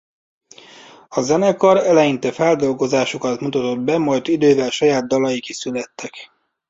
A zenekar eleinte feldolgozásokat mutatott be majd idővel saját dalaik is születtek.